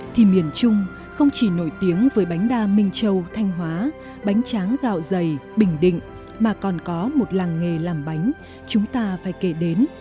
thì miền trung không chỉ nổi tiếng với bánh đa minh châu thanh hóa bánh tráng gạo dày bình định mà còn có một làng nghề làm bánh chúng ta phải kể đến